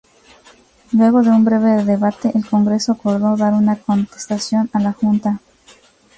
Luego de un breve debate, el Congreso acordó dar una contestación a la Junta.